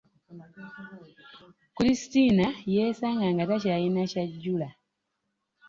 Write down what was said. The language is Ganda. Kulisitiina yeesanga nga takyalina ky'ajjula.